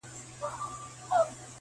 • بدمرغي په هغه ورځ ورحواله سي -